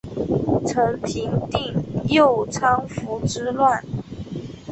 曾平定宕昌羌之乱。